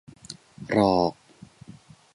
หรอก